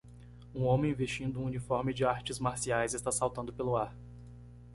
Um homem vestindo um uniforme de artes marciais está saltando pelo ar.